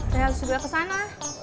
saya harus jual kesana